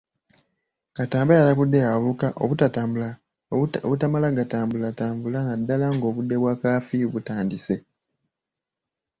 Katamba yalabudde abavubuka obutamala gatambulatambula naddala ng'obudde bwa kaafiyu butandise.